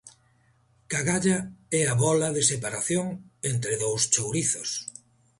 'Cagalla' é a bóla de separación entre dous chourizos.